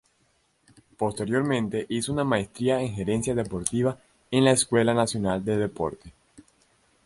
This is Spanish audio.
Posteriormente hizo una maestría en gerencia deportiva en la Escuela Nacional del Deporte.